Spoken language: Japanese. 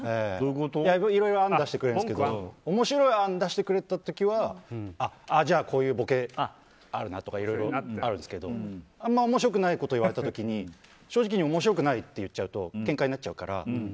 いろいろ案を出してくれるんですけど面白い案を出してくれた時はじゃあ、こういうボケあるなとかいろいろあるんですけどあんまり面白くないこと言われた時に正直に面白くないって言っちゃうとけんかになっちゃうから。